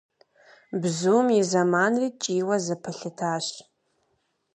Бзум и зэманри ткӀийуэ зэпэлъытащ.